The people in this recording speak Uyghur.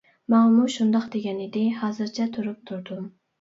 ماڭىمۇ شۇنداق دېگەن ئىدى ھازىرچە تۇرۇپ تۇردۇم.